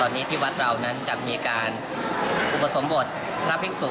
ตอนนี้ที่วัดเรานั้นจะมีการอุปสมบทพระภิกษุ